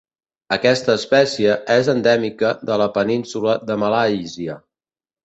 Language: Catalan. Aquesta espècie és endèmica de la península de Malàisia.